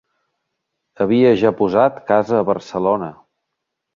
Havia ja posat casa a Barcelona